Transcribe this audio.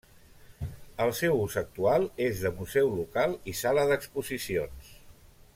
El seu ús actual és de museu local i sala d'exposicions.